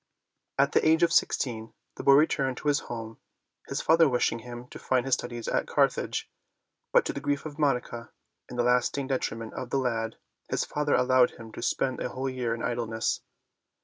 At the age of sixteen the boy returned to his home, his father wishing him to finish his studies at Carthage. But to the grief of Monica and the lasting detriment of the lad, his father allowed him to spend a whole year in idleness.